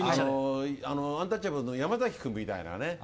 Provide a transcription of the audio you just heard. アンタッチャブルの山崎君みたいな。